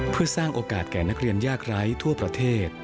เพื่อสร้างโอกาสแก่นักเรียนยากไร้ทั่วประเทศ